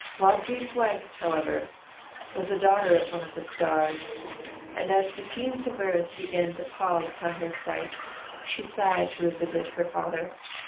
Waupee's wife, however, was a daughter of one of the stars; and as the scenes of earth began to pall upon her sight, she sighed to revisit her father.